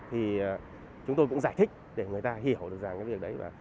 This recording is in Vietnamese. thì chúng tôi cũng giải thích để người ta hiểu được rằng cái việc đấy và